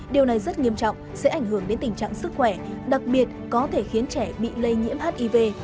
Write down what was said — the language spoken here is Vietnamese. điều này rất nghiêm trọng sẽ ảnh hưởng đến tình trạng sức khỏe đặc biệt có thể khiến trẻ bị lây nhiễm hiv